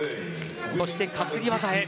そして、担ぎ技へ。